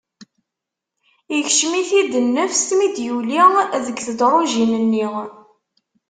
Ikcem-it-id nnefs mi d-yuli deg tedrujin-nni.